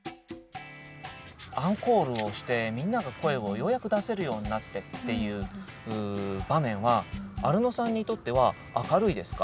アンコールをしてみんなが声をようやく出せるようになってっていう場面は明るいですね。